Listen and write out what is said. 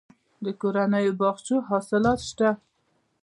د کورنیو باغچو حاصلات شته